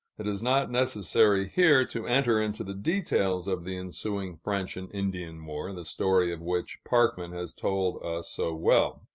It is not necessary here to enter into the details of the ensuing French and Indian War, the story of which Parkman has told us so well.